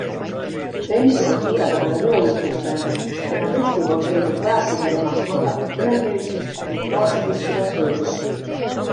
Remsu on suurepärane loojutustaja, tema tekstivoos leidub pajatusele omast mahlakat kõnekeelsust ning kaasakiskuvat sujuvust.